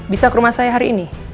bisa ke rumah saya hari ini